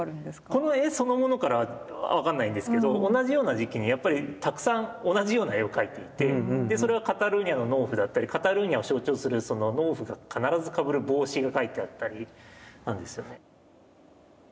この絵そのものからは分かんないんですけど同じような時期にやっぱりたくさん同じような絵を描いていてそれがカタルーニャの農夫だったりカタルーニャを象徴する農夫が必ずかぶる帽子が描いてあったりなんですよね。